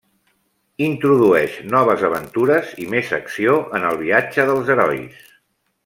Introdueix noves aventures i més acció en el viatge dels herois.